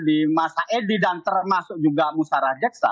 di masa edi dan termasuk juga musara jaksa